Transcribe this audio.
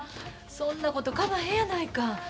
そんなことかまへんやないか。